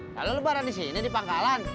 kalau lebaran di sini di pangkalan